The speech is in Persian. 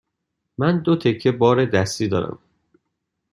من دو تکه بار دستی دارم.